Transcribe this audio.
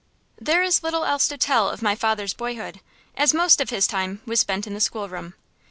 There is little else to tell of my father's boyhood, as most of his time was spent in the schoolroom.